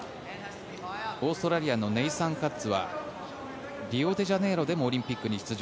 オーストラリアのネイサン・カッツはリオデジャネイロでもオリンピックに出場。